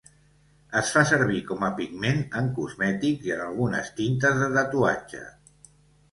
Es fa servir com a pigment en cosmètics i en algunes tintes de tatuatge.